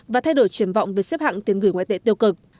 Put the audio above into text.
và thay đổi triển vọng về xếp hạng tiến gửi ngoại tệ tiêu cực